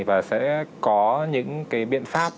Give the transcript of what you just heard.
và sẽ có những cái biện pháp